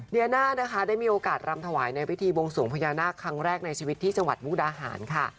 เดียน่านะคะได้มีโอกาสรำถวายในวิธีบวงสวงพญานาคครั้งแรกในชีวิตที่จังหวัดมุกดาหารค่ะ